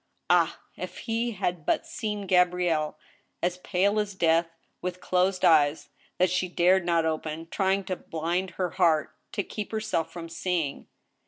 Ah ! if he had but seen Gabrielle, as pale as death, with closed eyes that she dared not open, trying to blind her heart, to keep her self from seeing